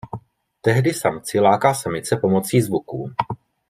Tehdy samci láká samice pomocí zvuků.